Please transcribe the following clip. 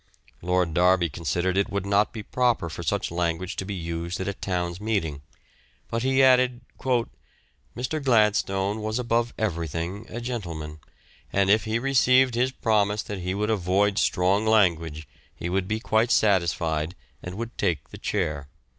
Lord Derby considered it would not be proper for such language to be used at a Town's meeting, but he added, "Mr. Gladstone was above everything a gentleman, and if he received his promise that he would avoid strong language he would be quite satisfied and would take the chair."